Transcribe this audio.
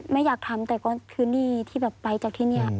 ไม่อยากทำแต่ก็คือหนี้ที่แบบไปจากที่นี่